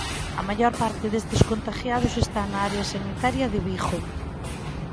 A maior parte destes contaxiados están na área sanitaria de Vigo.